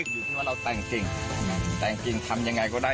อยู่ที่ว่าเราแต่งจริงแต่งจริงทำยังไงก็ได้